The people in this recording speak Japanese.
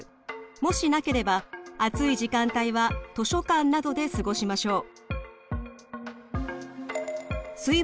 もしなければ暑い時間帯は図書館などで過ごしましょう。